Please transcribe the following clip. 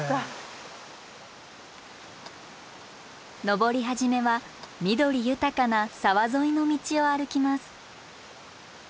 登り始めは緑豊かな沢沿いの道を歩きます。